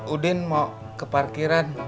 udin mau ke parkiran